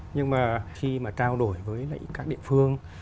nhưng mà khi mà trao đổi với các địa phương